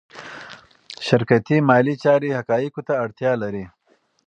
شرکتي مالي چارې حقایقو ته اړتیا لري.